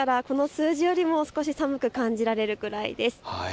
この数字よりも少し寒く感じられるくらいです。